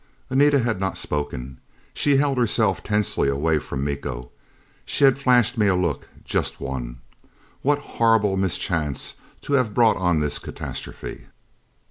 Anita had not spoken. She held herself tensely away from Miko. She had flashed me a look, just one. What horrible mischance to have brought on this catastrophe!